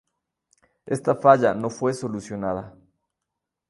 Esta falla no fue solucionada.